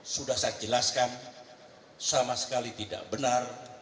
sudah saya jelaskan sama sekali tidak benar